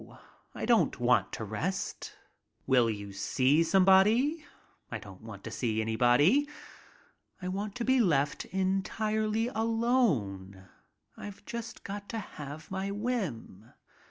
I don't want to rest. Will you see somebody? I don't want to see any I ARRIVE IN LONDON 53 body. I want to be left entirely alone. I've just got to have my whim.